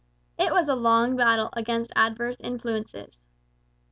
It was a long battle against adverse influences.